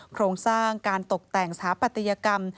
โครงสร้างการตกแต่งสถาปัตยกรรม